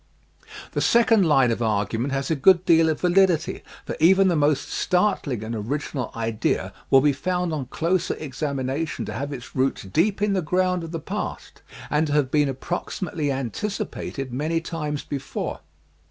The second line of argument has a good deal of validity, for even the most startling and original idea will be found on closer examination to have its roots deep in the ground of the past and to have been ap proximately anticipated many times before.